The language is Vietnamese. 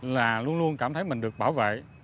là luôn luôn cảm thấy mình được bảo vệ